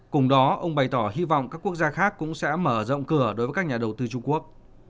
cùng đó ông bày tỏ hy vọng các quốc gia khác cũng sẽ mở rộng cửa đối với các nhà đầu tư trung quốc